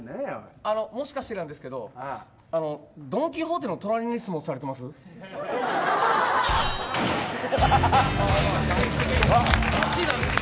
もしかしてなんですけどドン・キホーテの隣に住もうとされてます？